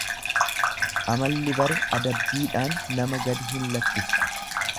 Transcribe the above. Amalli bare adabbiidhaan nama gadi hin lakkisu.